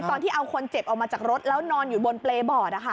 ตอนที่เอาคนเจ็บออกมาจากรถแล้วนอนอยู่บนเปรย์บอร์ด